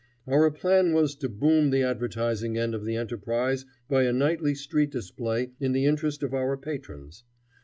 Our plan was to boom the advertising end of the enterprise by a nightly street display in the interest of our patrons.